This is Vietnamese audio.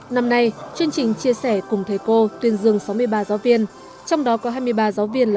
năm nay chương trình chia sẻ cùng thầy cô tuyên dương sáu mươi ba giáo viên trong đó có hai mươi ba giáo viên là